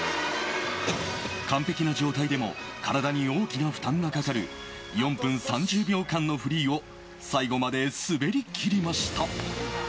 完璧な状態でも体に大きな負担がかかる４分３０秒間のフリーを最後まで滑りきりました。